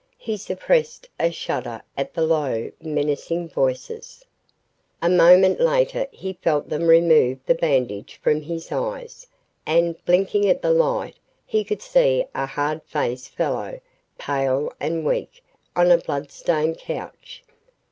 He suppressed a shudder at the low, menacing voices. A moment later he felt them remove the bandage from his eyes, and, blinking at the light, he could see a hard faced fellow, pale and weak, on a blood stained couch.